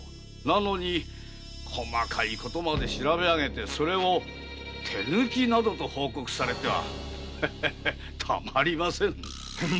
なのに細かいことまで調べ上げてそれを手抜きなどと報告されてはたまりません。